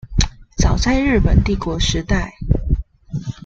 早在日本帝國時代